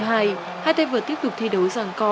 hai tay vượt tiếp tục thi đấu rằng co